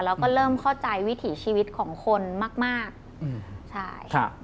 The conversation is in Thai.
แล้วก็เริ่มเข้าใจวิถีชีวิตของคนมากค่ะ